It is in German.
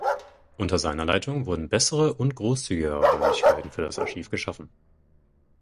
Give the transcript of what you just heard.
Unter seiner Leitung wurden bessere und großzügigere Räumlichkeiten für das Archiv geschaffen.